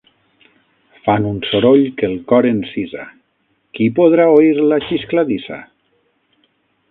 Fan un soroll que el cor encisa; qui podrà oir la xiscladissa?